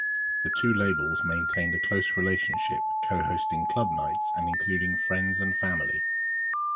The two labels maintained a close relationship, co-hosting club nights including "Friends and Family".